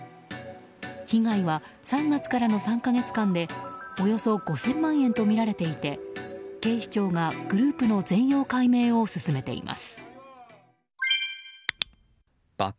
被害は、３月からの３か月間でおよそ５０００万円とみられていて警視庁がグループの全容解明を進めています。